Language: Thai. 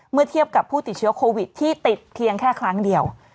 เมื่อเทียบกับผู้ติดเชื้อโควิดที่ติดเพียงแค่ครั้งเดียว